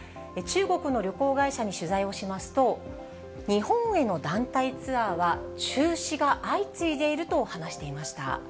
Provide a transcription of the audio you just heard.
中国の旅行会社に取材をしますと、日本への団体ツアーは中止が相次いでいると話していました。